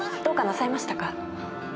どうかなさいましたか？